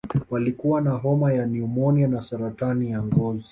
Walikuwa na homa ya pneumonia na saratani ya ngozi